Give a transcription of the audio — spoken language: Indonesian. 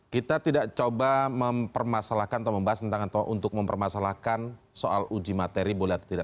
kita tidak coba mempermasalahkan atau membahas tentang atau untuk mempermasalahkan soal uji materi boleh atau tidak